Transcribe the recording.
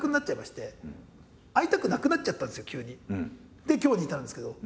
でもで今日に至るんですけど。